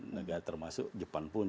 negara termasuk jepang pun